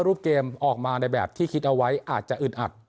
รูปเกมออกมาในแบบที่คิดเอาไว้อาจจะอึดอัด